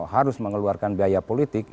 harus mengeluarkan biaya politik